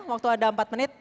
waktu ada empat menit